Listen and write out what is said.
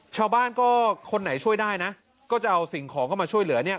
ชาวบ้านก็คนไหนช่วยได้นะก็จะเอาสิ่งของเข้ามาช่วยเหลือเนี่ย